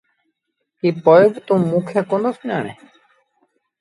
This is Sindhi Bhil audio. ڪيٚ پوء با توٚنٚ موٚنٚ کي ڪوندو سُڃآڻي؟